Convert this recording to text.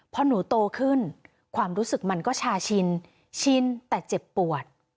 พอหนูโตขึ้นความรู้สึกมันก็ชาชินชินแต่เจ็บปวด